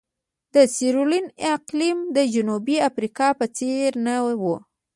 د سیریلیون اقلیم د جنوبي افریقا په څېر نه وو.